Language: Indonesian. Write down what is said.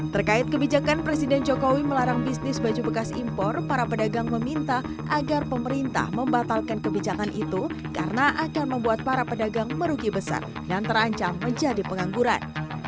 terkait kebijakan presiden jokowi melarang bisnis baju bekas impor para pedagang meminta agar pemerintah membatalkan kebijakan itu karena akan membuat para pedagang merugi besar dan terancam menjadi pengangguran